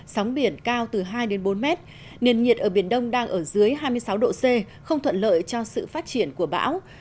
sóng biển cao từ hai đến bốn mét nền nhiệt ở biển đông đang ở dưới hai mươi sáu độ c không thuận lợi cho sự phát triển của bão